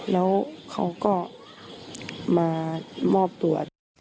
แล้วเขาก็มามอบตัว